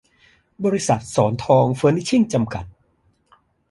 บริษัท ศรทองเฟอนิชชิ่ง จำกัด